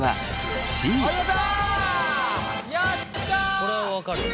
これは分かる。